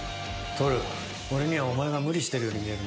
透俺にはお前が無理してるように見えるんだよ。